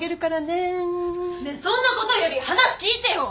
ねえそんなことより話聞いてよ！